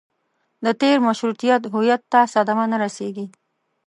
د تېر مشروطیت هویت ته صدمه نه رسېږي.